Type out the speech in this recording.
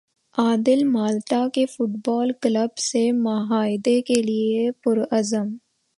عادل Malta کے football club سے معاہدے کے لیے پرعزم